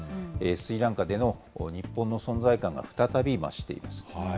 スリランカでの日本の存在感が再び増しています。